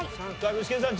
具志堅さん